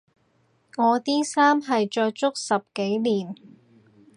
我啲衫係着足十幾年